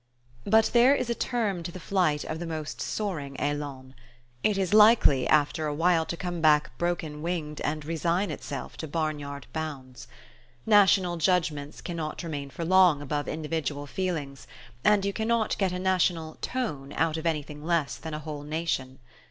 But there is a term to the flight of the most soaring elan. It is likely, after a while, to come back broken winged and resign itself to barn yard bounds. National judgments cannot remain for long above individual feelings; and you cannot get a national "tone" out of anything less than a whole nation.